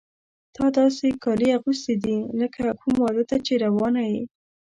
تا داسې کالي اغوستي دي لکه کوم واده ته چې روانه یې.